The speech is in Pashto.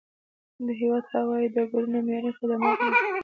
د هیواد هوایي ډګرونه معیاري خدمات لري.